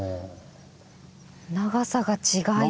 長さが違います。